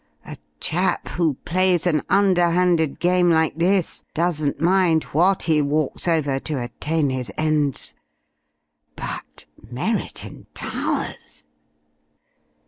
A chap who plays an underhanded game like this doesn't mind what he walks over to attain his ends. But ... Merriton Towers...!"